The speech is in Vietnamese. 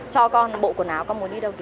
cho con bộ quần áo con muốn đi đâu